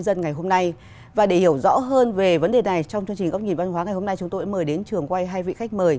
để tìm hiểu rõ hơn về vấn đề này trong chương trình góc nhìn văn hóa ngày hôm nay chúng tôi mời đến trường quay hai vị khách mời